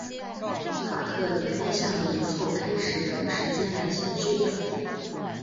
卡特离开夏威夷后开始腾时间来写剧本。